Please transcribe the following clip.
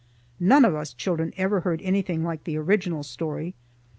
None of us children ever heard anything like the original story.